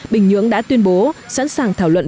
bình nhưỡng đã tuyên bố sẵn sàng thảo luận